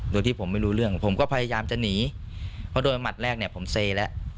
โดยที่ผมไม่รู้เรื่องผมก็พยายามจะหนีเพราะโดนหมัดแรกเนี่ยผมเซแล้ว